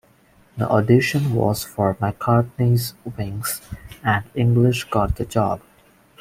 The audition was for McCartney's Wings, and English got the job.